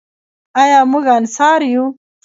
آیا موږ انصار یو؟